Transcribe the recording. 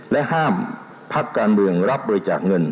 และห้ามพักการเมืองรับบริจาคเงิน